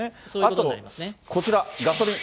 あとこちらガソリン。